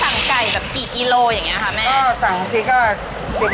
ไหวมั้ย